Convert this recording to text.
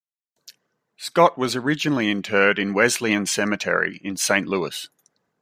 Scott was originally interred in Wesleyan Cemetery in Saint Louis.